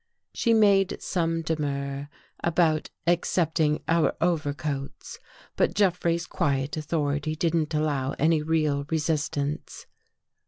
She made some demur about accepting our over coats, but Jeffrey's quiet authority didn't allow any real resistance.